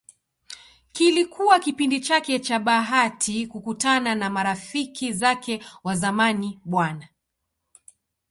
Kilikuwa kipindi chake cha bahati kukutana na marafiki zake wa zamani Bw.